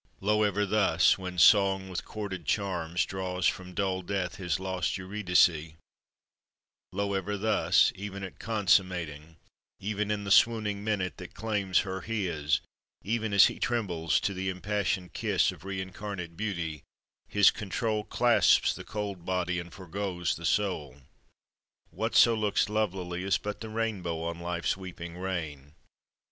Lo ever thus, when Song with chorded charms Draws from dull death his lost Eurydice, Lo ever thus, even at consummating, Even in the swooning minute that claims her his, Even as he trembles to the impassioned kiss Of reincarnate Beauty, his control Clasps the cold body, and foregoes the soul! Whatso looks lovelily Is but the rainbow on life's weeping rain.